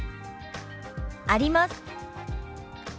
「あります」。